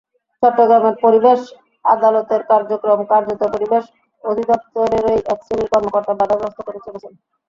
চট্টগ্রামের পরিবেশ আদালতের কার্যক্রম কার্যত পরিবেশ অধিদপ্তরেরই একশ্রেণির কর্মকর্তা বাধাগ্রস্ত করে চলেছেন।